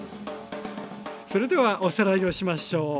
それではおさらいをしましょう。